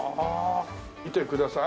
見てください。